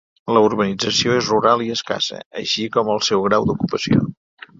La urbanització és rural i escassa, així com el seu grau d'ocupació.